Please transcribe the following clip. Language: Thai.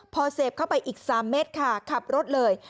พอเสพเข้าไปอีก๓เม็ดค่ะขับรถเลย